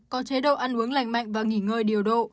có chế độ ăn uống lành mạnh và nghỉ ngơi điều độ